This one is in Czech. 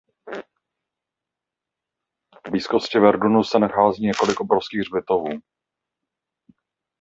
V blízkosti Verdunu se nachází několik obrovských hřbitovů.